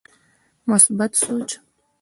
مثبت سوچ